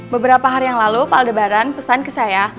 beberapa hari yang lalu pak aldebaran pesan ke saya